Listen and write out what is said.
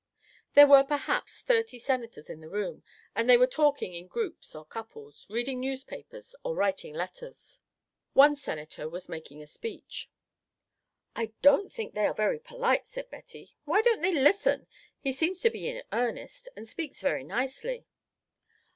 There were perhaps thirty Senators in the room, and they were talking in groups or couples, reading newspapers, or writing letters. One Senator was making a speech. "I don't think they are very polite," said Betty. "Why don't they listen? He seems to be in earnest and speaks very nicely."